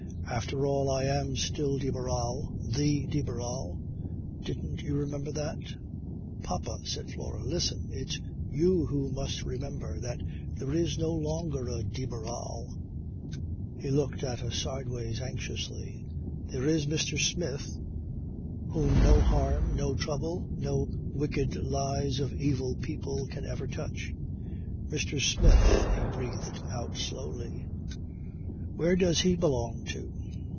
"After all I am still de Barral, the de Barral. Didn't you remember that?" "Papa," said Flora; "listen. It's you who must remember that there is no longer a de Barral ..." He looked at her sideways anxiously. "There is Mr. Smith, whom no harm, no trouble, no wicked lies of evil people can ever touch." "Mr. Smith," he breathed out slowly. "Where does he belong to?